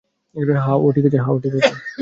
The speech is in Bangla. হ্যাঁ, ও ঠিক আছে!